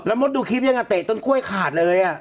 แล้วหมดดูคลิปยังกลับเตะจนต้นกล้วยขาดเลย